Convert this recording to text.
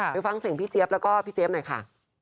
ไปฟังเสียงพี่เจี๊ยบแล้วก็พี่เจี๊ยบหน่อยค่ะ